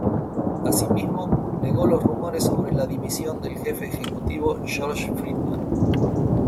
Asimismo, negó los rumores sobre la dimisión del Jefe Ejecutivo George Friedman.